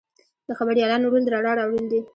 د خبریالانو رول د رڼا راوړل دي.